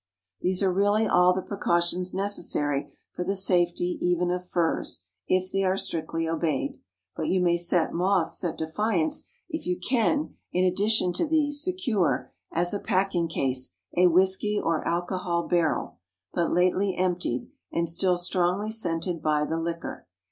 These are really all the precautions necessary for the safety even of furs, if they are strictly obeyed. But you may set moths at defiance if you can, in addition to these, secure, as a packing case, a whiskey or alcohol barrel, but lately emptied, and still strongly scented by the liquor.